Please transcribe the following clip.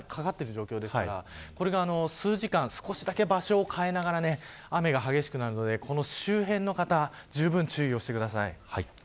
今、線状降水帯がかかっている状況ですからこれが数時間、少しだけ場所を変えながら雨が激しくなるのでこの周辺の方じゅうぶん注意をしてください。